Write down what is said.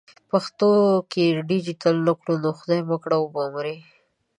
پښتو که ډیجیټل نه کړو نو خدای مه کړه و به مري.